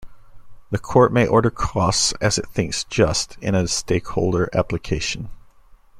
The court may order costs as it thinks just in a stakeholder application.